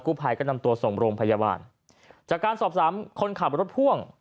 ภัยก็นำตัวส่งโรงพยาบาลจากการสอบสามคนขับรถพ่วง